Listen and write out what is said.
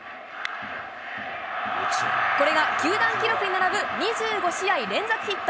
これが球団記録に並ぶ２５試合連続ヒット。